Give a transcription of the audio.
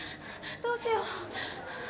どうしよう。